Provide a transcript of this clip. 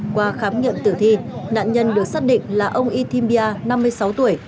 qua khám nghiệm tử thi nạn nhân được xác định là ông itimbia năm mươi sáu tuổi